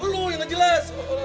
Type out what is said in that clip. lu yang enggak jelas